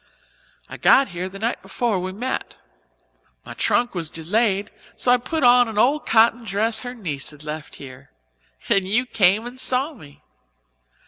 I got here the night before we met. My trunk was delayed so I put on an old cotton dress her niece had left here and you came and saw me.